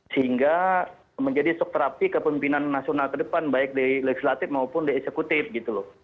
sehingga menjadi sok terapi kepemimpinan nasional ke depan baik di legislatif maupun di eksekutif gitu loh